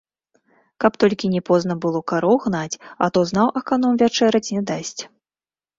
Каб толькі не позна было кароў гнаць, а то зноў аканом вячэраць не дасць.